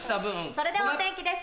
それではお天気です